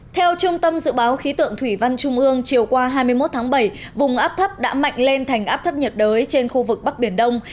theo trung tâm dự báo khí tượng thủy văn trung ương chiều qua hai mươi một tháng bảy vùng áp thấp đã mạnh lên thành áp thấp nhiệt đới trên khu vực bắc biển đông